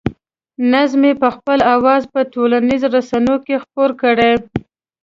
نظم یې په خپل اواز په ټولنیزو رسنیو کې خپور کړی.